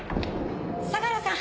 相良さん！